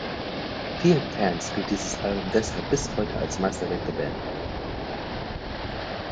Vielen Fans gilt dieses Album deshalb bis heute als Meisterwerk der Band.